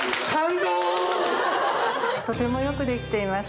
とてもよくできています。